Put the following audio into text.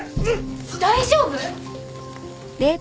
大丈夫？